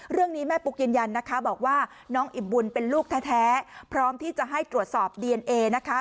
เรื่องนี้แม่ปุ๊กยืนยันนะคะบอกว่าน้องอิ่มบุญเป็นลูกแท้พร้อมที่จะให้ตรวจสอบดีเอนเอนะคะ